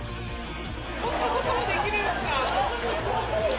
そんなこともできるんすか？